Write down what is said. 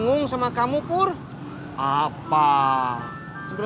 susah udah gak bisa diapa apain